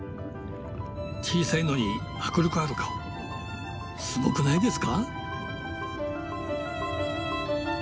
小さいのに迫力ある顔すごくないですか？